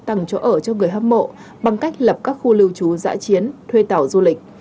tăng chỗ ở cho người hâm mộ bằng cách lập các khu lưu trú giã chiến thuê tàu du lịch